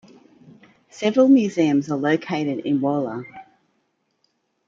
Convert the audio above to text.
Several museums are located in Wola.